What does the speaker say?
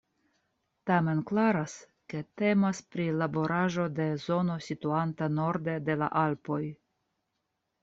Tamen klaras ke temas pri laboraĵo de zono situanta norde de la Alpoj.